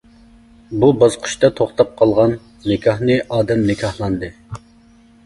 بۇ باسقۇچتا توختاپ قالغان نىكاھنى ئادەم نىكاھلاندى.